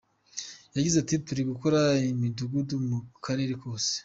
Yagize ati “Turi gukora imidugudu mu karere kose.